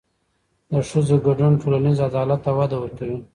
د ښځو ګډون ټولنیز عدالت ته وده ورکوي.